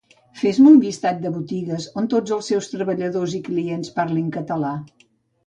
Fes-me un llistat de botigues on tots els seus treballadors i clients parlin català